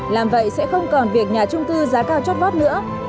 làm vậy sẽ không còn việc nhà trung cư giá cao chót vót nữa